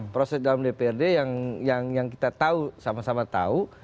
proses dalam dprd yang kita tahu sama sama tahu